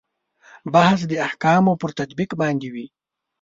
بحث د احکامو پر تطبیق باندې وي.